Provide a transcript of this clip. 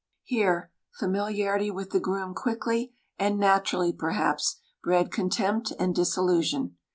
Here familiarity with the groom quickly, and naturally, perhaps, bred contempt and disillusion.